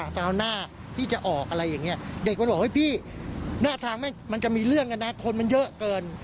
เด็กมันบอกว่าเฮ้ยพี่หน้าทางมันจะมีเรื่องกันนะคนมันเยอะเกิน